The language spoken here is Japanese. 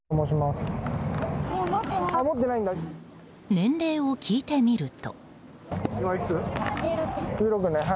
年齢を聞いてみると。